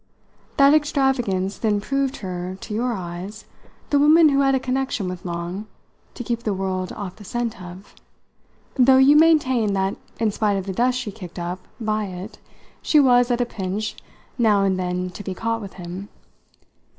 That extravagance then proved her, to your eyes, the woman who had a connection with Long to keep the world off the scent of though you maintained that in spite of the dust she kicked up by it she was, at a pinch, now and then to be caught with him.